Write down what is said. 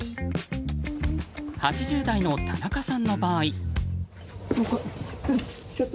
８０代の田中さんの場合。